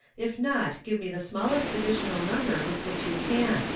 If not, give me the smallest additional number with which you can."